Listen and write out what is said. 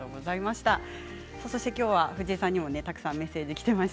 きょうは藤井さんにもたくさんメッセージがきています。